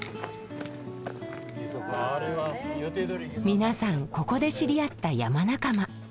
皆さんここで知り合った山仲間。